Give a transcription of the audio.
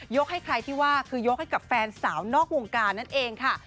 ให้ใครที่ว่าคือยกให้กับแฟนสาวนอกวงการนั่นเองค่ะ